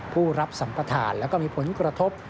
ผู้รับสัมปทานและก็มีผลกระทบ